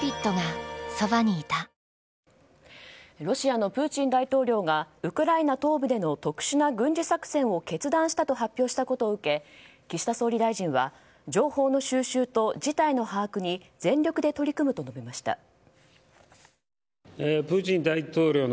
ロシアのプーチン大統領がウクライナ東部での特殊な軍事作戦を決断したと発表したことを受け岸田総理大臣は、情報の収集と事態の把握に全力で取り組むと述べました。